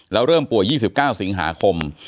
แล้วเริ่มป่วย๒๙สิงหาคม